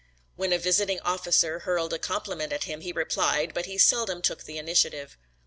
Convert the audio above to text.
When a visiting officer hurled a compliment at him he replied, but he seldom took the initiative.